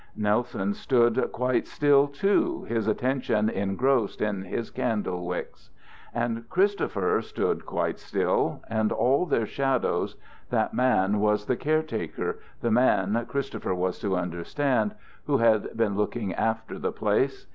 Nelson stood quite still too, his attention engrossed in his candle wicks. And Christopher stood quite still, and all their shadows That man was the caretaker, the man, Christopher was to understand, who had been looking after the place.